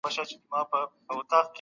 په ټولنه کې هر ډول زور باید کنټرول سي.